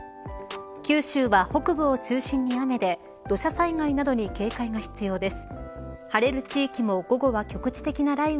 九州は北部を中心に雨で土砂災害などに警戒が必要です。